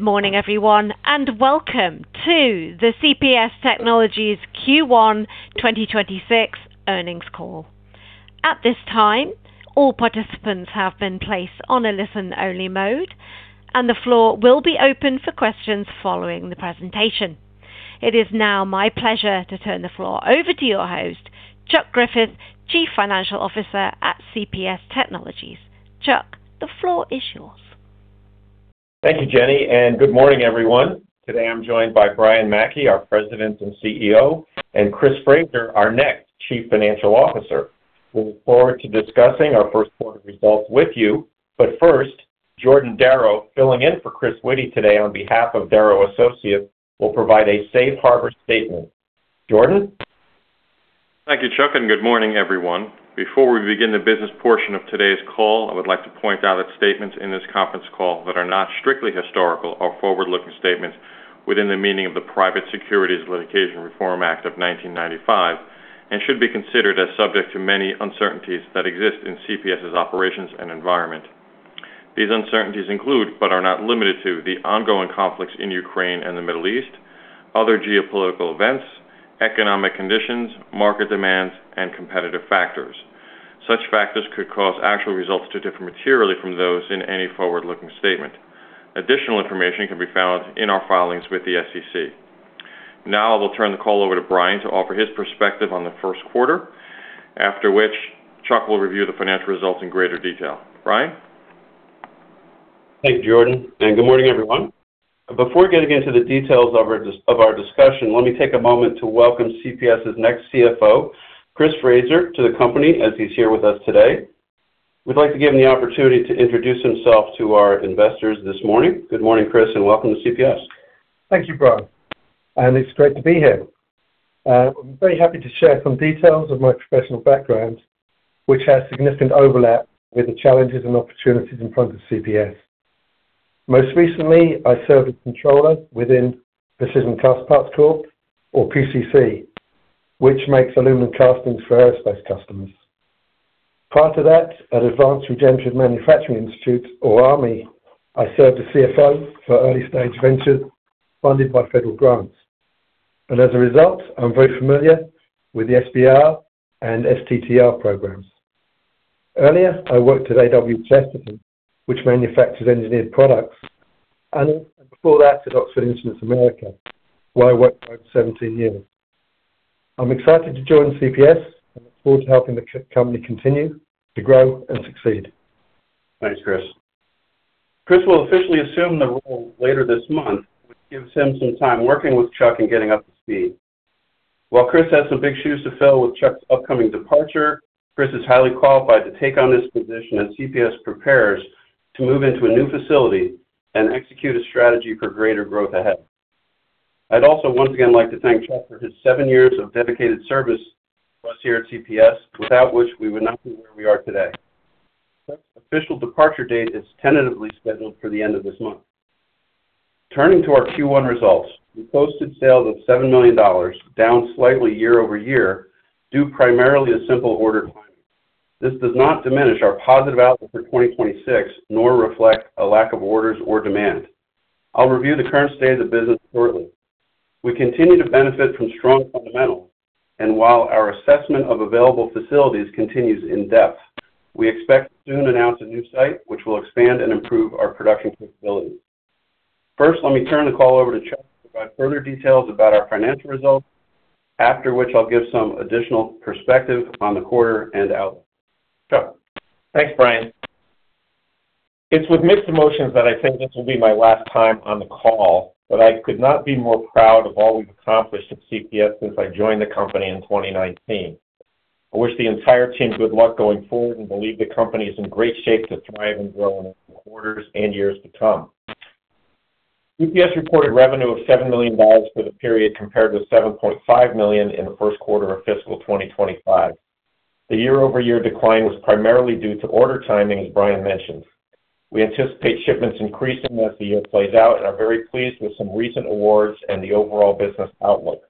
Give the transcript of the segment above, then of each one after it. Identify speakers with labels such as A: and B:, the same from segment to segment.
A: Good morning, everyone, welcome to the CPS Technologies Q1 2026 earnings call. At this time, all participants have been placed on a listen-only mode, and the floor will be open for questions following the presentation. It is now my pleasure to turn the floor over to your host, Chuck Griffith, Chief Financial Officer at CPS Technologies. Chuck, the floor is yours.
B: Thank you, Jenny, and good morning, everyone. Today, I'm joined by Brian Mackey, our President and CEO, and Chris Fraser, our next Chief Financial Officer. We look forward to discussing our first quarter results with you, but first, Jordan Darrow, filling in for Chris Witty today on behalf of Darrow Associates, will provide a safe harbor statement. Jordan?
C: Thank you, Chuck. Good morning, everyone. Before we begin the business portion of today's call, I would like to point out that statements in this conference call that are not strictly historical or forward-looking statements within the meaning of the Private Securities Litigation Reform Act of 1995, should be considered as subject to many uncertainties that exist in CPS's operations and environment. These uncertainties include, but are not limited to, the ongoing conflicts in Ukraine and the Middle East, other geopolitical events, economic conditions, market demands, and competitive factors. Such factors could cause actual results to differ materially from those in any forward-looking statement. Additional information can be found in our filings with the SEC. I will turn the call over to Brian to offer his perspective on the first quarter, after which Chuck will review the financial results in greater detail. Brian?
D: Thanks, Jordan. Good morning, everyone. Before getting into the details of our discussion, let me take a moment to welcome CPS's next CFO, Chris Fraser, to the company as he's here with us today. We'd like to give him the opportunity to introduce himself to our investors this morning. Good morning, Chris. Welcome to CPS.
E: Thank you, Brian. It's great to be here. I'm very happy to share some details of my professional background, which has significant overlap with the challenges and opportunities in front of CPS. Most recently, I served as controller within Precision Castparts Corp., or PCC, which makes aluminum castings for aerospace customers. Prior to that, at Advanced Regenerative Manufacturing Institute, or ARMI, I served as CFO for early-stage ventures funded by federal grants. As a result, I'm very familiar with the SBIR and STTR programs. Earlier, I worked at A.W. Chesterton, which manufactures engineered products, and before that, at Oxford Instruments America, where I worked for over 17 years. I'm excited to join CPS and look forward to helping the company continue to grow and succeed.
D: Thanks, Chris. Chris will officially assume the role later this month, which gives him some time working with Chuck and getting up to speed. While Chris has some big shoes to fill with Chuck's upcoming departure, Chris is highly qualified to take on this position as CPS prepares to move into a new facility and execute a strategy for greater growth ahead. I'd also once again like to thank Chuck for his seven years of dedicated service to us here at CPS, without which we would not be where we are today. Chuck's official departure date is tentatively scheduled for the end of this month. Turning to our Q1 results, we posted sales of $7 million, down slightly year-over-year, due primarily to simple order timing. This does not diminish our positive outlook for 2026, nor reflect a lack of orders or demand. I'll review the current state of the business shortly. We continue to benefit from strong fundamentals, and while our assessment of available facilities continues in depth, we expect to soon announce a new site which will expand and improve our production capabilities. First, let me turn the call over to Chuck to provide further details about our financial results, after which I'll give some additional perspective on the quarter and outlook. Chuck?
B: Thanks, Brian. It's with mixed emotions that I think this will be my last time on the call, but I could not be more proud of all we've accomplished at CPS since I joined the company in 2019. I wish the entire team good luck going forward and believe the company is in great shape to thrive and grow in the quarters and years to come. CPS reported revenue of $7 million for the period, compared to $7.5 million in the first quarter of fiscal 2025. The year-over-year decline was primarily due to order timing, as Brian mentioned. We anticipate shipments increasing as the year plays out and are very pleased with some recent awards and the overall business outlook.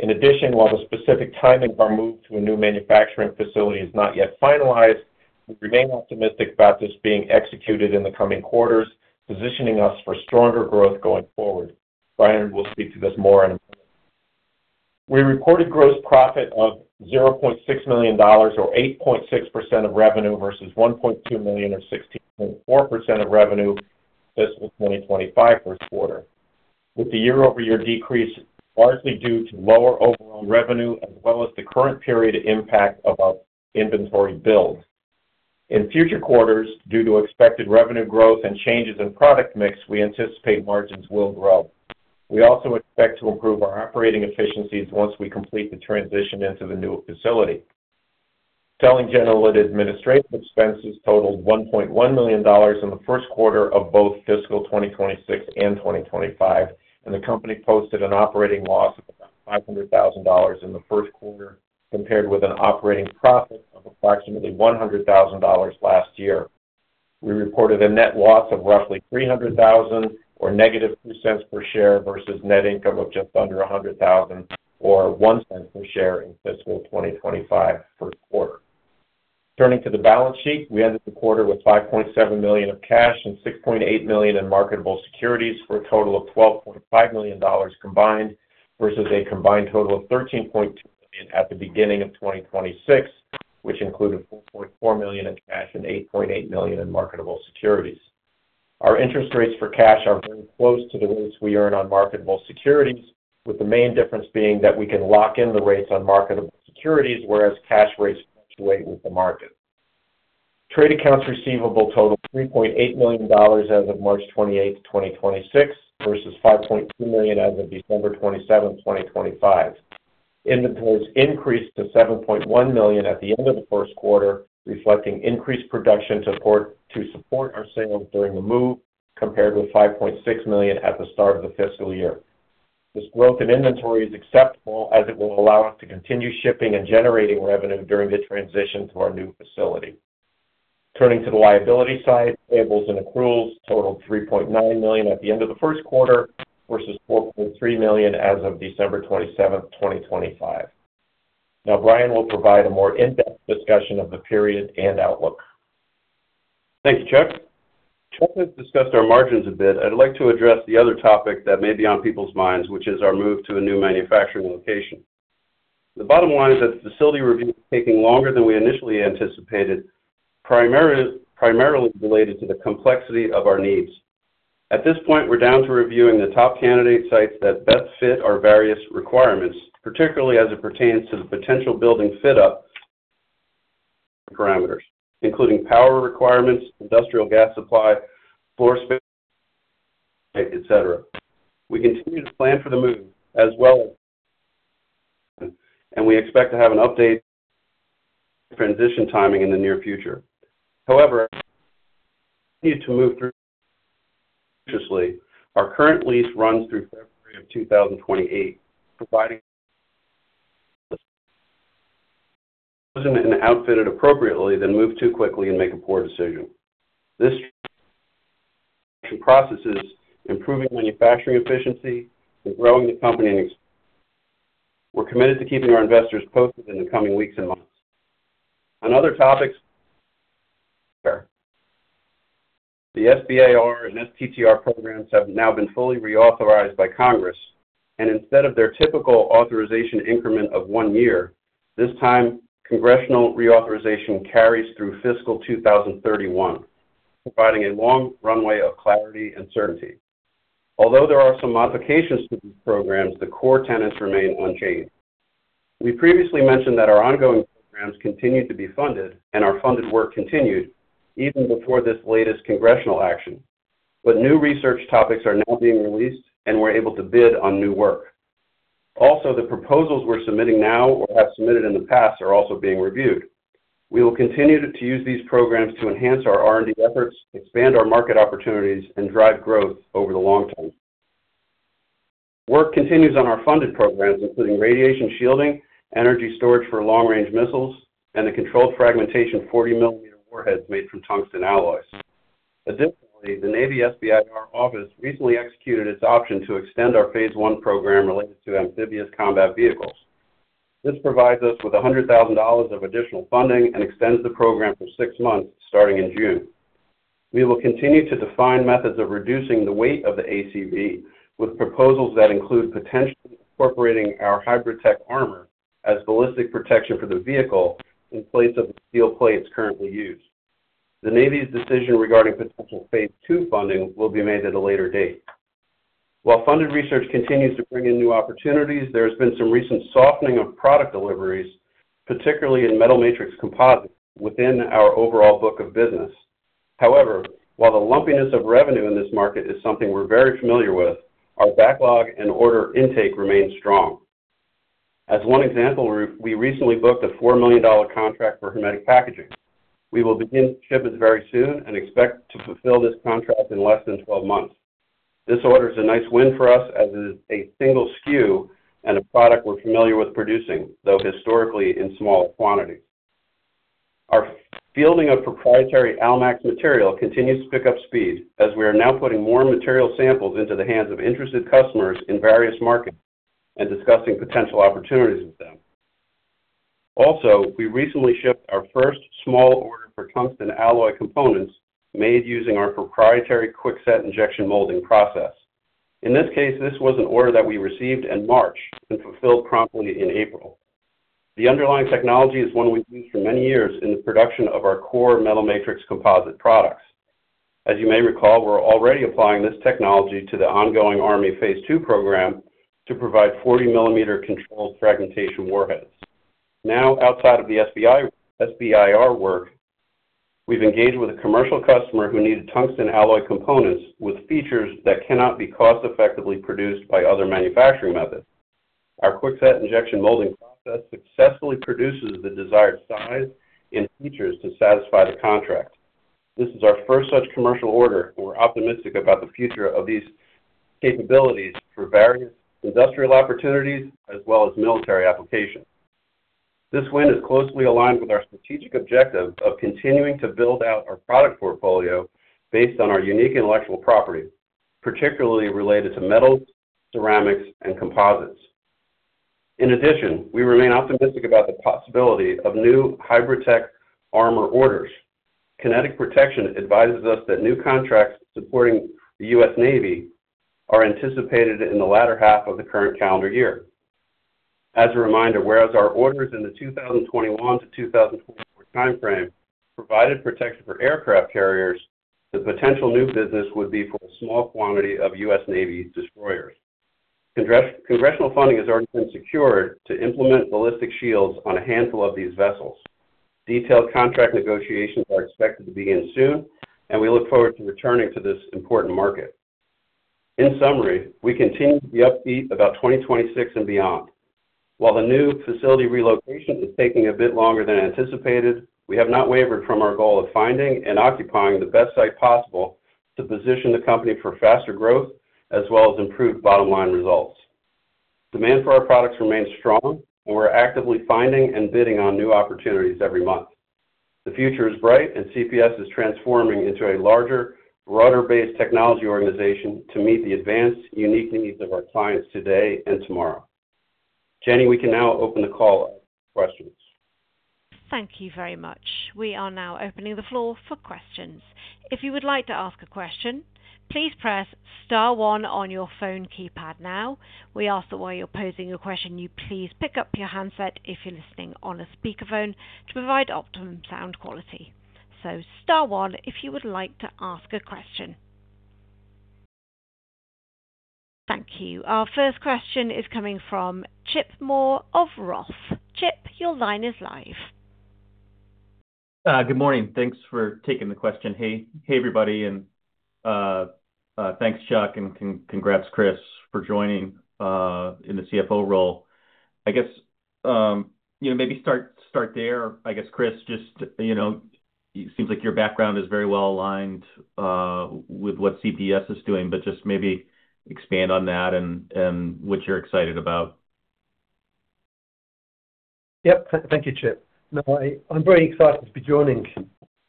B: In addition, while the specific timing of our move to a new manufacturing facility is not yet finalized, we remain optimistic about this being executed in the coming quarters, positioning us for stronger growth going forward. Brian will speak to this more in a moment. We reported gross profit of $0.6 million or 8.6% of revenue versus $1.2 million or 16.4% of revenue fiscal 2025 first quarter, with the year-over-year decrease largely due to lower overall revenue as well as the current period impact of our inventory build. In future quarters, due to expected revenue growth and changes in product mix, we anticipate margins will grow. We also expect to improve our operating efficiencies once we complete the transition into the new facility. Selling, general, and administrative expenses totaled $1.1 million in the first quarter of both fiscal 2026 and 2025, and the company posted an operating loss of about $500,000 in the first quarter, compared with an operating profit of approximately $100,000 last year. We reported a net loss of roughly $300,000 or -$0.02 per share versus net income of just under $100,000 or $0.01 per share in fiscal 2025 first quarter. Turning to the balance sheet, we ended the quarter with $5.7 million of cash and $6.8 million in marketable securities for a total of $12.5 million combined, versus a combined total of $13.2 million at the beginning of 2026, which included $4.4 million in cash and $8.8 million in marketable securities. Our interest rates for cash are very close to the rates we earn on marketable securities, with the main difference being that we can lock in the rates on marketable securities, whereas cash rates fluctuate with the market. Trade accounts receivable totaled $3.8 million as of March 28, 2026 versus $5.2 million as of December 27, 2025. Inventories increased to $7.1 million at the end of the first quarter, reflecting increased production support to support our sales during the move, compared with $5.6 million at the start of the fiscal year. This growth in inventory is acceptable as it will allow us to continue shipping and generating revenue during the transition to our new facility. Turning to the liability side, payables and accruals totaled $3.9 million at the end of the first quarter versus $4.3 million as of December 27, 2025. Now, Brian will provide a more in-depth discussion of the period and outlook.
D: Thank you, Chuck. Chuck has discussed our margins a bit. I'd like to address the other topic that may be on people's minds, which is our move to a new manufacturing location. The bottom line is that the facility review is taking longer than we initially anticipated, primarily related to the complexity of our needs. At this point, we're down to reviewing the top candidate sites that best fit our various requirements, particularly as it pertains to the potential building setup parameters, including power requirements, industrial gas supply, floor space, et cetera. We continue to plan for the move as well as, and we expect to have an update transition timing in the near future. To move through our current lease runs through February of 2028, providing and outfit it appropriately than move too quickly and make a poor decision. This process is improving manufacturing efficiency and growing the company. We're committed to keeping our investors posted in the coming weeks and months. On other topics, the SBIR and STTR programs have now been fully reauthorized by Congress. Instead of their typical authorization increment of one year, this time Congressional reauthorization carries through fiscal 2031, providing a long runway of clarity and certainty. Although there are some modifications to these programs, the core tenets remain unchanged. We previously mentioned that our ongoing programs continued to be funded and our funded work continued even before this latest Congressional action. New research topics are now being released and we're able to bid on new work. Also, the proposals we're submitting now or have submitted in the past are also being reviewed. We will continue to use these programs to enhance our R&D efforts, expand our market opportunities and drive growth over the long term. Work continues on our funded programs, including radiation shielding, energy storage for long-range missiles, and the controlled fragmentation 40 mm warheads made from tungsten alloys. Additionally, the Navy SBIR office recently executed its option to extend our phase I program related to Amphibious Combat Vehicles. This provides us with $100,000 of additional funding and extends the program for six months starting in June. We will continue to define methods of reducing the weight of the ACV with proposals that include potentially incorporating our HybridTech Armor as ballistic protection for the vehicle in place of the steel plates currently used. The Navy's decision regarding potential phase II funding will be made at a later date. While funded research continues to bring in new opportunities, there has been some recent softening of product deliveries, particularly in metal matrix composites within our overall book of business. However, while the lumpiness of revenue in this market is something we're very familiar with, our backlog and order intake remains strong. As one example, we recently booked a $4 million contract for Hermetic Packaging. We will begin shipments very soon and expect to fulfill this contract in less than 12 months. This order is a nice win for us as it is a single SKU and a product we're familiar with producing, though historically in smaller quantities. Our fielding of proprietary ALMAX material continues to pick up speed as we are now putting more material samples into the hands of interested customers in various markets and discussing potential opportunities with them. We recently shipped our first small order for tungsten alloy components made using our proprietary QuickSet Injection Molding process. In this case, this was an order that we received in March and fulfilled promptly in April. The underlying technology is one we've used for many years in the production of our core metal matrix composite products. As you may recall, we're already applying this technology to the ongoing Army phase II program to provide 40 mm controlled fragmentation warheads. Outside of the SBIR work, we've engaged with a commercial customer who needed tungsten alloy components with features that cannot be cost-effectively produced by other manufacturing methods. Our QuickSet Injection Molding process successfully produces the desired size and features to satisfy the contract. This is our first such commercial order, and we're optimistic about the future of these capabilities for various industrial opportunities as well as military applications. This win is closely aligned with our strategic objective of continuing to build out our product portfolio based on our unique intellectual property, particularly related to metals, ceramics, and composites. We remain optimistic about the possibility of new HybridTech Armor orders. Kinetic Protection advises us that new contracts supporting the U.S. Navy are anticipated in the latter half of the current calendar year. Whereas our orders in the 2021 to 2024 time frame provided protection for aircraft carriers, the potential new business would be for a small quantity of U.S. Navy destroyers. Congressional funding has already been secured to implement ballistic shields on a handful of these vessels. Detailed contract negotiations are expected to begin soon. We look forward to returning to this important market. We continue to be upbeat about 2026 and beyond. While the new facility relocation is taking a bit longer than anticipated, we have not wavered from our goal of finding and occupying the best site possible to position the company for faster growth as well as improved bottom-line results. Demand for our products remains strong, we're actively finding and bidding on new opportunities every month. The future is bright, CPS is transforming into a larger, broader-based technology organization to meet the advanced, unique needs of our clients today and tomorrow. Jenny, we can now open the call up for questions.
A: Thank you very much. We are now opening the floor for questions. If you would like to ask a question, please press star one on your phone keypad now. We ask that while you're posing your question, you please pick up your handset if you're listening on a speakerphone to provide optimum sound quality. Star one if you would like to ask a question. Thank you. Our first question is coming from Chip Moore of ROTH. Chip, your line is live.
F: Good morning. Thanks for taking the question. Hey, everybody. Thanks, Chuck, and congrats, Chris, for joining in the CFO role. I guess, you know, maybe start there. I guess, Chris, just, you know, seems like your background is very well aligned with what CPS is doing, but just maybe expand on that and what you're excited about.
E: Yep. Thank you, Chip. I'm very excited to be joining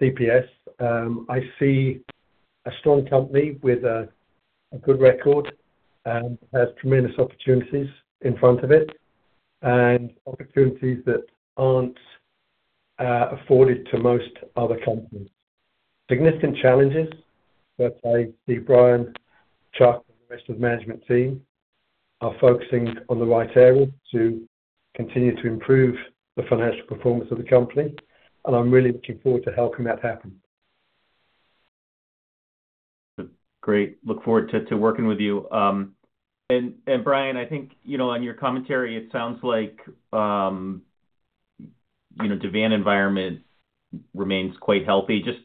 E: CPS. I see a strong company with a good record, has tremendous opportunities in front of it and opportunities that aren't afforded to most other companies. Significant challenges that I see Brian, Chuck, and the rest of the management team are focusing on the right areas to continue to improve the financial performance of the company, and I'm really looking forward to helping that happen.
F: Great. Look forward to working with you. Brian, I think, you know, on your commentary, it sounds like, you know, the van environment remains quite healthy. Just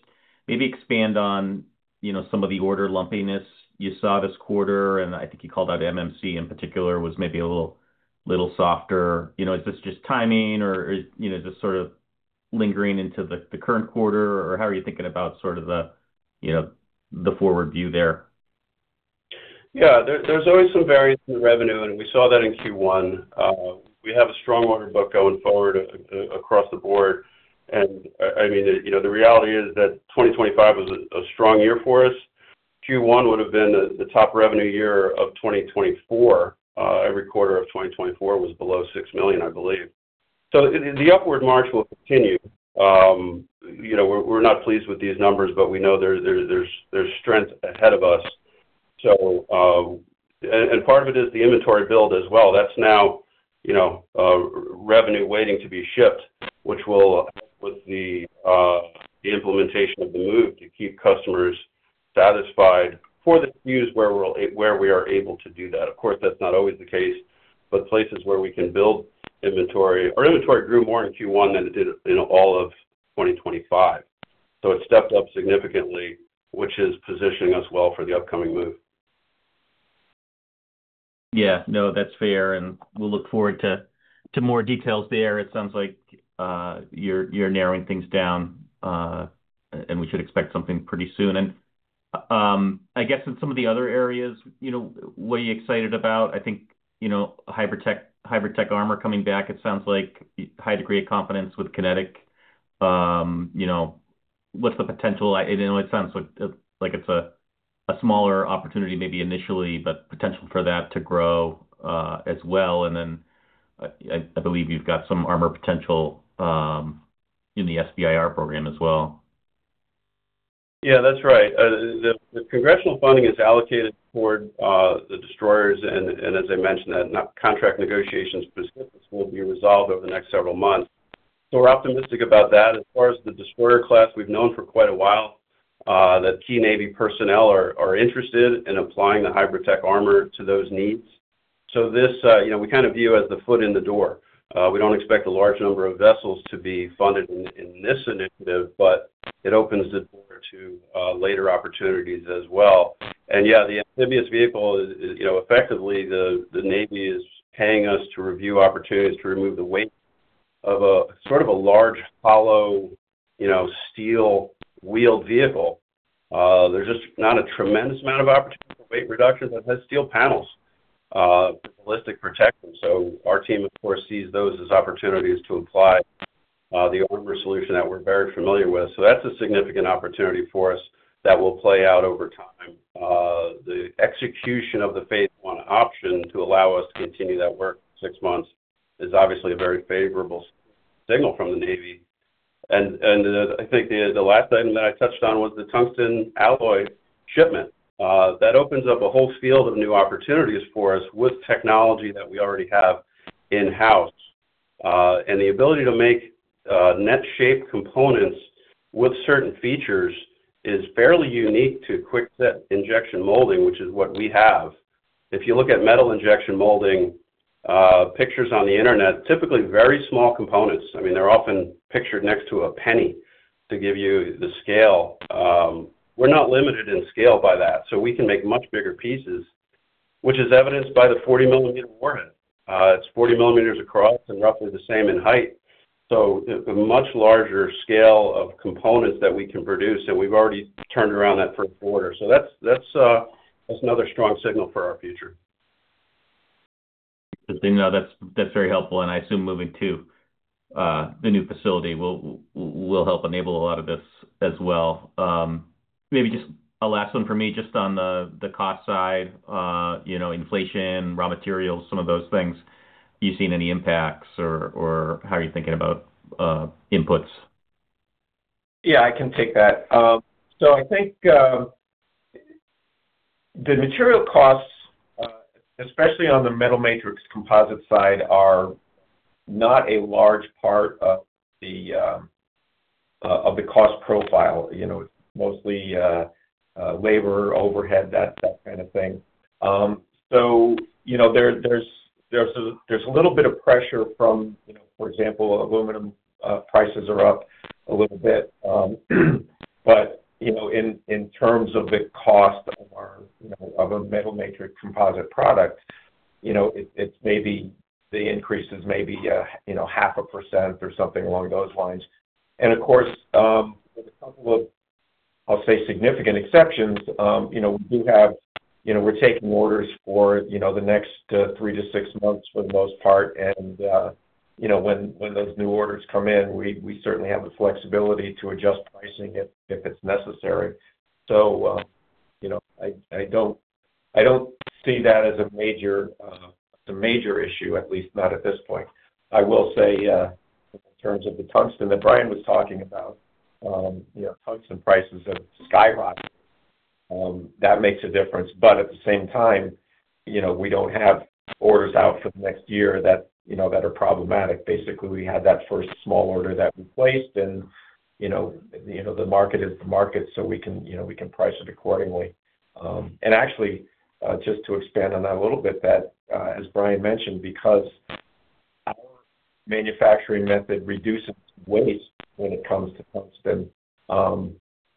F: maybe expand on, you know, some of the order lumpiness you saw this quarter, and I think you called out MMC in particular, was maybe a little softer. You know, is this just timing or is, you know, just sort of lingering into the current quarter? How are you thinking about sort of the, you know, the forward view there?
D: Yeah. There's always some variance in revenue, and we saw that in Q1. We have a strong order book going forward across the board. I mean, you know, the reality is that 2025 was a strong year for us. Q1 would have been the top revenue year of 2024. Every quarter of 2024 was below $6 million, I believe. The upward march will continue. You know, we're not pleased with these numbers, but we know there's strength ahead of us. And part of it is the inventory build as well. That's now, you know, revenue waiting to be shipped, which will help with the implementation of the move to keep customers satisfied for the communities where we are able to do that. Of course, that's not always the case, but places where we can build inventory. Our inventory grew more in Q1 than it did in all of 2025. It stepped up significantly, which is positioning us well for the upcoming move.
F: Yeah. No, that's fair. We'll look forward to more details there. It sounds like you're narrowing things down and we should expect something pretty soon. I guess in some of the other areas, you know, what are you excited about? I think, you know, HybridTech Armor coming back, it sounds like high degree of confidence with Kinetic. You know, what's the potential? You know, it sounds like it's a smaller opportunity maybe initially, but potential for that to grow as well. I believe you've got some armor potential in the SBIR program as well.
D: Yeah, that's right. The Congressional funding is allocated toward the destroyers, and as I mentioned, that contract negotiations specifics will be resolved over the next several months. We're optimistic about that. As far as the destroyer class, we've known for quite a while that key Navy personnel are interested in applying the HybridTech Armor to those needs. This, you know, we kind of view as the foot in the door. We don't expect a large number of vessels to be funded in this initiative, but it opens the door to later opportunities as well. Yeah, the Amphibious Vehicle is, you know, effectively the Navy is paying us to review opportunities to remove the weight of a sort of a large, hollow, you know, steel wheeled vehicle. There's just not a tremendous amount of opportunity for weight reduction that has steel panels for ballistic protection. Our team, of course, sees those as opportunities to apply the armor solution that we're very familiar with. That's a significant opportunity for us that will play out over time. The execution of the phase I option to allow us to continue that work for six months is obviously a very favorable signal from the Navy. And I think the last item that I touched on was the tungsten alloy shipment. That opens up a whole field of new opportunities for us with technology that we already have in-house. And the ability to make net shape components with certain features is fairly unique to QuickSet Injection Molding, which is what we have. If you look at metal injection molding pictures on the internet, typically very small components. I mean, they're often pictured next to a penny to give you the scale. We're not limited in scale by that, so we can make much bigger pieces, which is evidenced by the 40 mm warhead. It's 40 mm across and roughly the same in height. A much larger scale of components that we can produce, and we've already turned around that first order. That's another strong signal for our future.
F: Just so you know, that's very helpful. I assume moving to the new facility will help enable a lot of this as well. Maybe just a last one for me, just on the cost side, you know, inflation, raw materials, some of those things. You seen any impacts or how are you thinking about inputs?
B: Yeah, I can take that. I think the material costs, especially on the metal matrix composite side, are not a large part of the cost profile. You know, it's mostly labor, overhead, that kind of thing. You know, there's a little bit of pressure from, you know, for example, aluminum prices are up a little bit. You know, in terms of the cost of our, you know, of a metal matrix composite product, you know, it's maybe the increase is maybe, you know, half a percent or something along those lines. Of course, with a couple of, I'll say, significant exceptions, you know, we do have, you know, we're taking orders for, you know, the next three to six months for the most part. You know, when those new orders come in, we certainly have the flexibility to adjust pricing if it's necessary. You know, I don't see that as a major, as a major issue, at least not at this point. I will say, in terms of the tungsten that Brian was talking about, you know, tungsten prices have skyrocketed. That makes a difference. At the same time, you know, we don't have orders out for the next year that, you know, that are problematic. Basically, we had that first small order that we placed and, you know, the market is the market, we can, you know, we can price it accordingly. Actually, just to expand on that a little bit, that, as Brian mentioned, because our manufacturing method reduces waste when it comes to tungsten,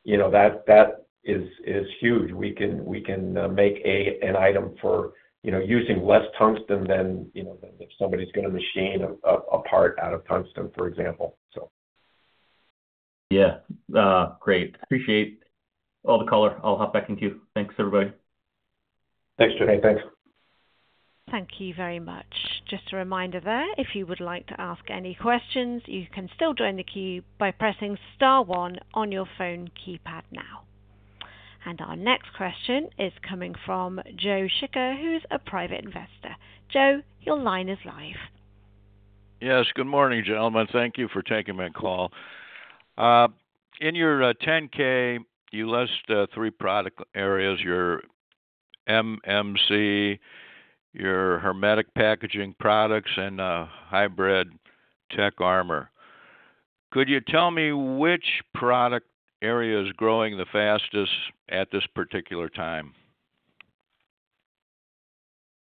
B: you know, that is huge. We can make an item for, you know, using less tungsten than, you know, than if somebody's gonna machine a part out of tungsten, for example.
F: Yeah. great. Appreciate all the color. I'll hop back in queue. Thanks, everybody.
D: Thanks, Chip.
B: Okay, thanks.
A: Thank you very much. Just a reminder there, if you would like to ask any questions, you can still join the queue by pressing star one on your phone keypad now. Our next question is coming from Joe Schicker, who's a private investor. Joe, your line is live.
G: Yes. Good morning, gentlemen. Thank you for taking my call. In your 10-K, you list three product areas, your MMC, your Hermetic Packaging products, and HybridTech Armor. Could you tell me which product area is growing the fastest at this particular time?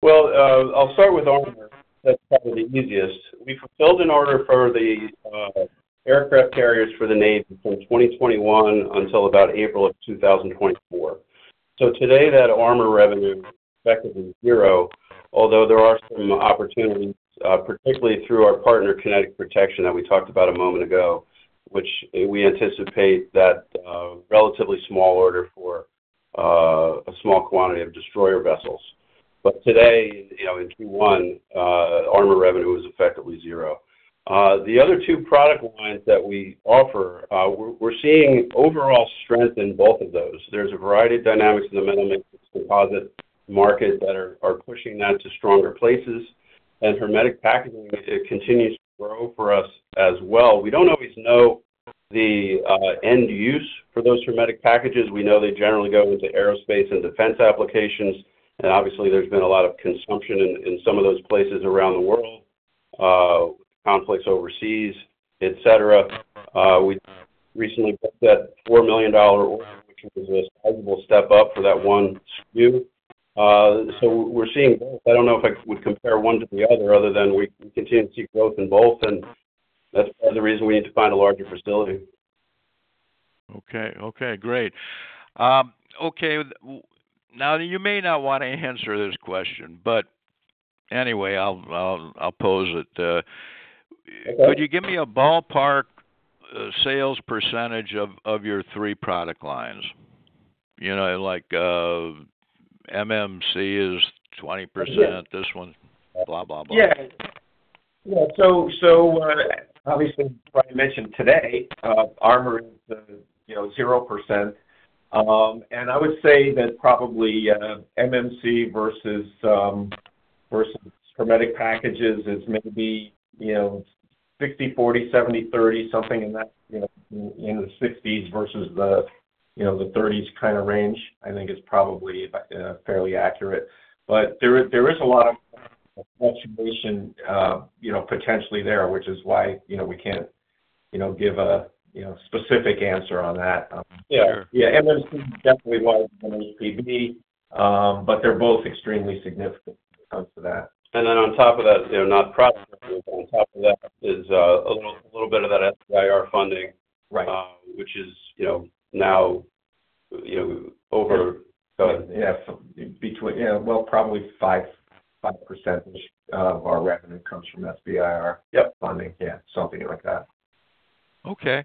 D: I'll start with Armor. That's probably the easiest. We fulfilled an order for the aircraft carriers for the Navy from 2021 until about April of 2024. Today, that Armor revenue is effectively zero, although there are some opportunities, particularly through our partner, Kinetic Protection, that we talked about a moment ago, which we anticipate that relatively small order for a small quantity of destroyer vessels. Today, you know, Armor revenue is effectively zero. The other two product lines that we offer, we're seeing overall strength in both of those. There's a variety of dynamics in the metal matrix composite market that are pushing that to stronger places. Hermetic Packaging, it continues to grow for us as well. We don't always know the end use for those hermetic packages. We know they generally go into aerospace and defense applications. Obviously there's been a lot of consumption in some of those places around the world, conflicts overseas, et cetera. We recently booked that $4 million order, which was a sizable step up for that one SKU. We're seeing both. I don't know if I would compare one to the other than we continue to see growth in both, and that's part of the reason we need to find a larger facility.
G: Okay. Okay, great. Now you may not wanna answer this question, but anyway, I'll pose it.
D: Okay
G: Could you give me a ballpark, sales percentage of your three product lines? You know, like, MMC is 20%.
B: That's it.
G: This one, blah, blah.
B: Yeah. Yeah. Obviously, like I mentioned today, Armor is 0%. I would say that probably MMC versus hermetic packages is maybe 60-40, 70-30, something in that in the 60s versus the 30s kind of range, I think is probably fairly accurate. There is a lot of fluctuation potentially there, which is why we can't give a specific answer on that.
G: Sure.
B: Yeah. Yeah. There's definitely one from APB, but they're both extremely significant when it comes to that.
D: On top of that, you know, not profit, but on top of that is a little bit of that SBIR funding.
B: Right
D: Which is, you know, now, you know.
B: Yeah. Well, probably 5% of our revenue comes from SBIR.
D: Yep
B: funding. Yeah. Something like that.
G: Okay.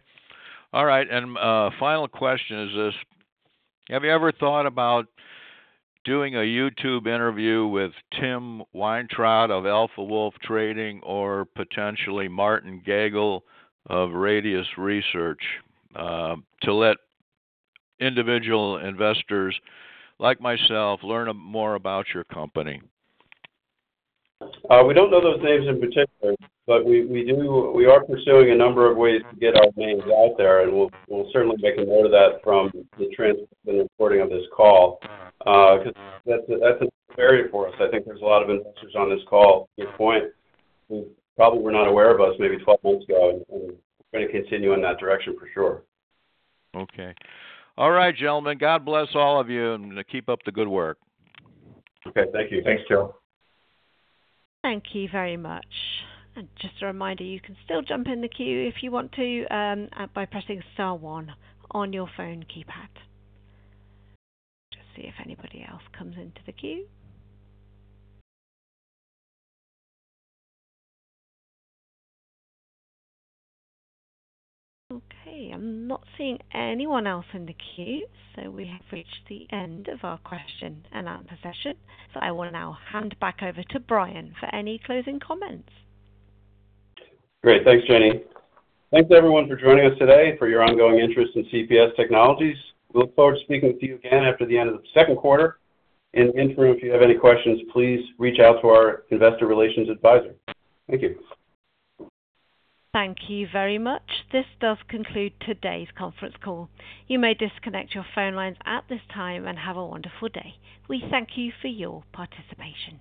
G: All right. Final question is this: Have you ever thought about doing a YouTube interview with Tim Weintraut of Alpha Wolf Trading or potentially Martin Gagel of Radius Research, to let individual investors like myself learn more about your company?
D: We don't know those names in particular, but we are pursuing a number of ways to get our names out there, and we'll certainly make a note of that from the recording of this call. 'Cause that's an area for us. I think there's a lot of investors on this call, your point, who probably were not aware of us maybe 12 months ago, and we're gonna continue in that direction for sure.
G: Okay. All right, gentlemen. God bless all of you, and keep up the good work.
D: Okay. Thank you.
B: Thanks, Joe.
A: Thank you very much. Just a reminder, you can still jump in the queue if you want to, by pressing star one on your phone keypad. Just see if anybody else comes into the queue. Okay. I'm not seeing anyone else in the queue. We have reached the end of our question and answer session. I will now hand back over to Brian for any closing comments.
D: Great. Thanks, Jenny. Thanks everyone for joining us today, for your ongoing interest in CPS Technologies. We look forward to speaking with you again after the end of the second quarter. In the interim, if you have any questions, please reach out to our investor relations advisor. Thank you.
A: Thank you very much. This does conclude today's conference call. You may disconnect your phone lines at this time, and have a wonderful day. We thank you for your participation.